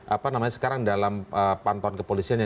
apa namanya sekarang dalam pantauan kepolisian yang